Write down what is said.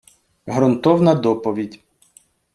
Грунтовна доповідь.